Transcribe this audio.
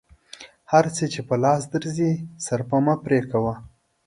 هر څه چې په لاس درځي صرفه مه پرې کوه.